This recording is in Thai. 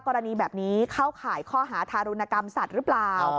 กรณีแบบนี้เข้าข่ายข้อหาทารุณกรรมสัตว์หรือเปล่า